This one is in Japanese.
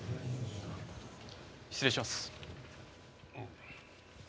失礼します。